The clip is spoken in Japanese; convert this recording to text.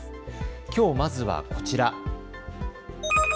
きょうまずはこちら。